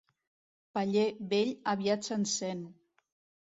Paller vell aviat s'encén.